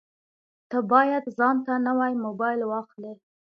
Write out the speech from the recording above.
ته باید ځانته نوی مبایل واخلې